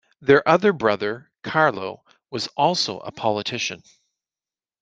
Their other brother, Carlo, was also a politician.